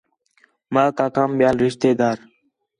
ماک آکھام ٻِیال رشتے دار